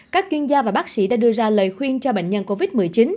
các chuyên gia và bác sĩ đã đưa ra lời khuyên cho bệnh nhân covid một mươi chín